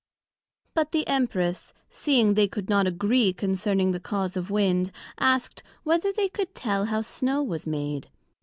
But the Empress, seeing they could not agree concerning the cause of Wind, asked, Whether they could tell how Snow was made?